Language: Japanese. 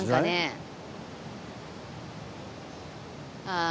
ああ。